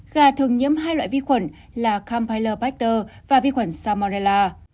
gà thường nhiễm hai loại vi khuẩn là campylobacter và vi khuẩn salmonella